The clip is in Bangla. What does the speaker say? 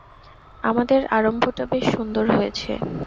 আমাদের আরম্ভটা বেশ সুন্দর হয়েছে।